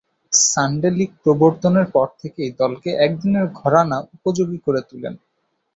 Sunday league প্রবর্তনের পর থেকেই দলকে একদিনের ঘরানা উপযোগী করে তুলেন।